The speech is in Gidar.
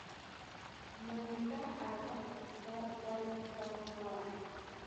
Məŋzla a zabaɓik ɓardawun ɗepanka.